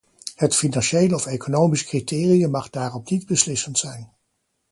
Het financiële of economische criterium mag daarom niet beslissend zijn.